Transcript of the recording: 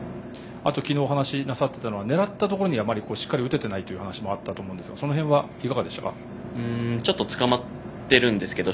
あと昨日お話なさっていたのは狙ったところにあまりしっかり打てていないという話もあったと思いますがちょっとつかまってるんですけど